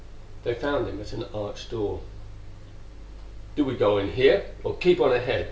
They found him at an arched door. "Do we go in here, or keep on ahead?"